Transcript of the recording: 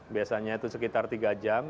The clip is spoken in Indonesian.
biasanya itu sekitar tiga jam